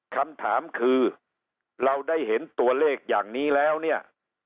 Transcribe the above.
คำถามคือเราได้เห็นตัวเลขอย่างนี้แล้วเนี่ย